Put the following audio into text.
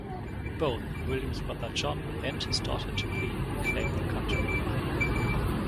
Both William's brother John and his daughter Jacqueline claimed the county.